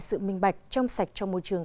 sự minh bạch trong sạch trong môi trường